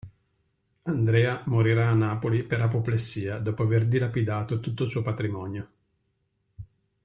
Andrea morirà a Napoli per apoplessia dopo aver dilapidato tutto il suo patrimonio.